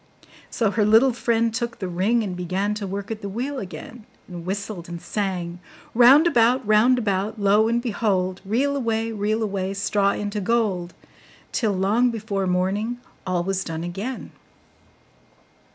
So her little friend took the ring, and began to work at the wheel again, and whistled and sang: 'Round about, round about, Lo and behold! Reel away, reel away, Straw into gold!' till, long before morning, all was done again.